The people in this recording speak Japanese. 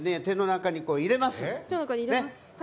手の中に入れます。